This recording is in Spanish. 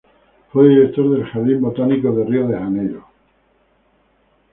Fue director del Jardín Botánico de Río de Janeiro.